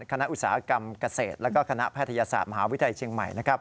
ขณะอุตสาหกรรมเกษตรและก็ขณะพัฒนภาคมหาวิทยาชิงใหม่